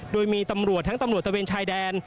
โดยมีตำรวจทั้งตำรวจตะเวนชายแดน